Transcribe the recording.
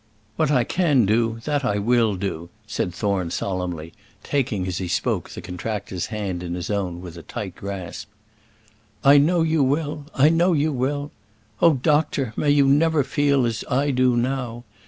"What I can do, that I will do," said Thorne, solemnly, taking as he spoke the contractor's hand in his own with a tight grasp. "I know you will; I know you will. Oh! doctor, may you never feel as I do now!